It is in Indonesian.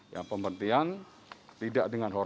yang pemberhentian tidak dengan hormat